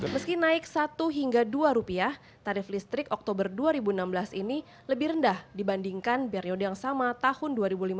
meski naik satu hingga dua rupiah tarif listrik oktober dua ribu enam belas ini lebih rendah dibandingkan periode yang sama tahun dua ribu lima belas